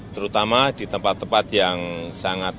terutama di tempat tempat yang sangat